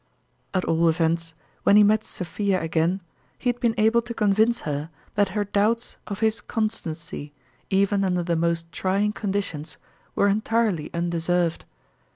At all events, when he met Sophia again, he had been able to convince her that her doubts of his con 30 fEotmttalin's ftime i)cque0. stancy, even under the most trying conditions, were entirely undeserved.